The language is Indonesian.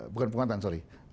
bukan penguatan sorry